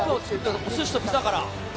お寿司とピザから。